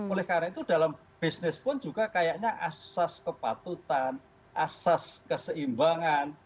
oleh karena itu dalam bisnis pun juga kayaknya asas kepatutan asas keseimbangan